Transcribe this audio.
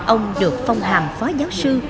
ông được phong hàm phó giáo sư